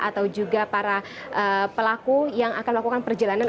atau juga para pelaku yang akan melakukan perjalanan